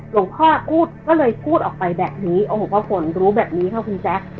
พูดก็เลยพูดออกไปแบบนี้โอ้โหพอฝนรู้แบบนี้ค่ะคุณแจ๊ค